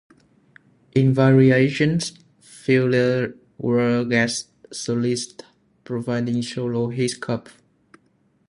In "Variations", Fiedler was the guest soloist, providing solo hiccups.